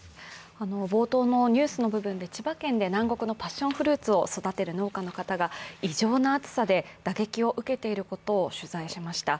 冒頭のニュースの部分で、千葉県で南国のパッションフルーツを育てる農家の方が、異常な暑さで打撃を受けていることを取材しました。